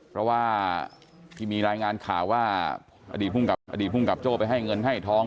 เพราะว่าที่มีรายงานข่าวว่าอดีตภูมิกับโจ้ไปให้เงินให้ทอง